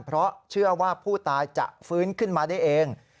เพราะเชื่อว่าผู้ตายจะฟื้นขึ้นมาได้เอง